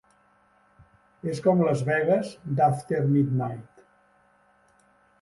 És com Las Vegas d'After Midnite.